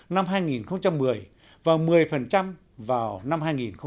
năm hai nghìn một mươi và một mươi vào năm hai nghìn một mươi năm